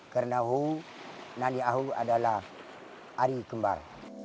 karena hu nani ahu adalah hari kembar